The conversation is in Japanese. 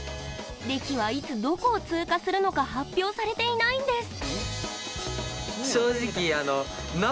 デキはいつどこを通過するのか発表されていないんです。